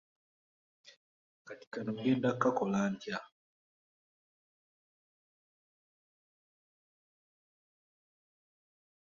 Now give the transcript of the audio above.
Kati kano ŋŋenda kukakola ntya?